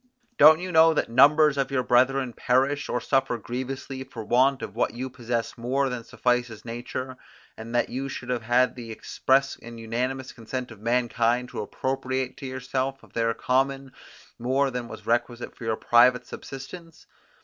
Don't you know that numbers of your brethren perish, or suffer grievously for want of what you possess more than suffices nature, and that you should have had the express and unanimous consent of mankind to appropriate to yourself of their common, more than was requisite for your private subsistence?